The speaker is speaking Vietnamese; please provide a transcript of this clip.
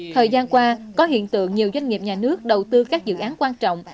thời gian qua có hiện tượng nhiều doanh nghiệp nhà nước đầu tư các dự án quan trọng